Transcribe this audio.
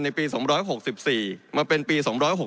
ปี๒๖๔มาเป็นปี๒๖๖